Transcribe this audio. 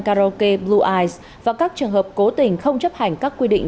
karaoke blue và các trường hợp cố tình không chấp hành các quy định